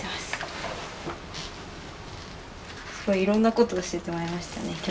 すごいいろんなこと教えてもらいましたね。